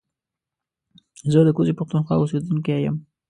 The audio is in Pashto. زه د کوزې پښتونخوا اوسېدونکی يم